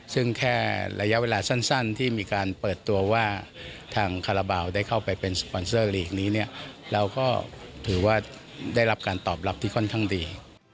ซึ่งแค่ระยะเวลาสั้นที่มีการเปิดตัวว่าทางคาราบาลได้เข้าไปเป็นสปอนเซอร์ลีกนี้เนี่ยเราก็ถือว่าได้รับการตอบรับที่ค่อนข้างดี